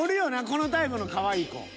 このタイプのかわいい子。